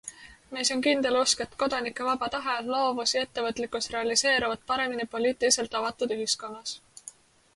Meis on kindel usk, et kodanike vaba tahe, loovus ja ettevõtlikkus realiseeruvad paremini poliitiliselt avatud ühiskonnas.